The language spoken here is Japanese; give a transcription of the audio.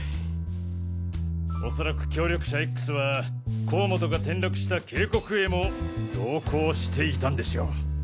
おそらく協力者Ｘは甲本が転落した渓谷へも同行していたんでしょう。